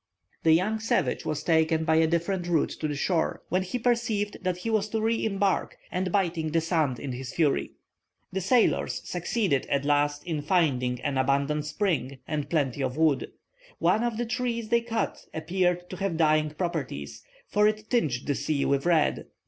The young savage was taken by a different route to the shore; when he perceived that he was to re embark, he rolled upon the ground, shrieking, and biting the sand in his fury. The sailors succeeded at last in finding an abundant spring, and plenty of wood. One of the trees they cut appeared to have dyeing properties, for it tinged the sea with red.